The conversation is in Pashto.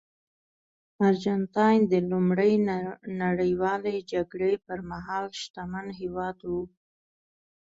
ارجنټاین د لومړۍ نړیوالې جګړې پرمهال شتمن هېواد و.